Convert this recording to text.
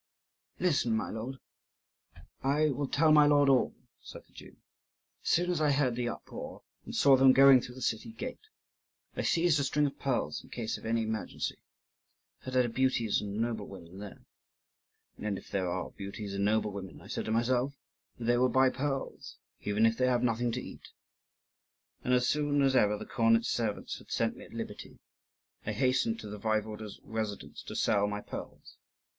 "Listen, my lord, I will tell my lord all," said the Jew. "As soon as I heard the uproar, and saw them going through the city gate, I seized a string of pearls, in case of any emergency. For there are beauties and noble women there; 'and if there are beauties and noble women,' I said to myself, 'they will buy pearls, even if they have nothing to eat.' And, as soon as ever the cornet's servants had set me at liberty, I hastened to the Waiwode's residence to sell my pearls.